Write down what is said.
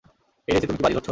এই রেসে তুমি কি বাজি ধরছ?